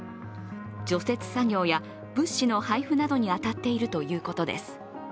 除雪作業や物資の配布などに当たっているということです。